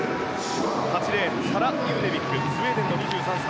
８レーン、サラ・ユーネビックスウェーデンの２３歳。